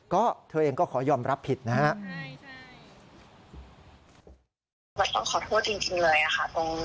ก็เธอเองก็ขอยอมรับผิดนะครับ